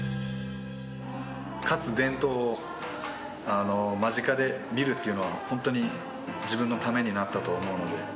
勝つ伝統を間近で見るっていうのはホントに自分のためになったと思うので。